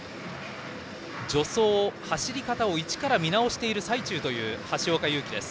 助走、走り方を一から見直している最中という橋岡優輝。